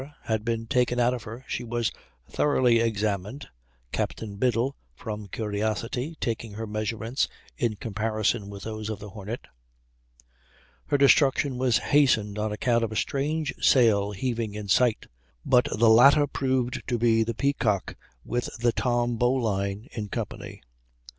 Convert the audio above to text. had been taken out of her, she was thoroughly examined (Captain Biddle, from curiosity, taking her measurements in comparison with those of the Hornet). Her destruction was hastened on account of a strange sail heaving in sight; but the latter proved to be the Peacock, with the Tom Bowline in company.